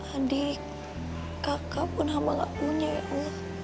adik kakak pun abah gak punya ya allah